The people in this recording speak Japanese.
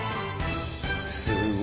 すごい。